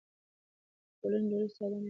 د ټولنې جوړښت ساده نه دی.